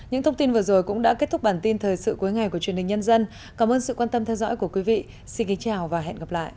hãy đăng ký kênh để ủng hộ kênh của mình nhé